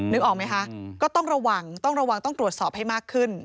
นึกออกไหมคะก็ต้องระวังต้องตรวจสอบให้มากขึ้น